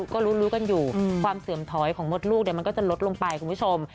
ก็รู้กันอยู่ความเสื่อมถอยของมดลูกมันก็จะลดลงไปคุณผู้ชม